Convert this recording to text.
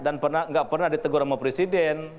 dan tidak pernah ditegur sama presiden